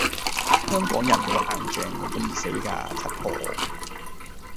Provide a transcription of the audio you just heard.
香港人好硬淨，無咁易死架，柒婆